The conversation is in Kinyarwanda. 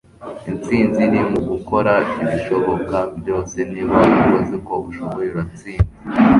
Intsinzi iri mu gukora ibishoboka byose. Niba warakoze uko ushoboye, uratsinze. ”